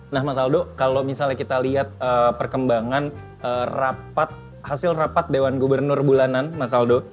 nah mas aldo kalau misalnya kita lihat perkembangan hasil rapat dewan gubernur bulanan mas aldo